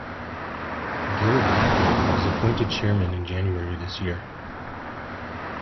Gil Blackman was appointed chairman in January this year.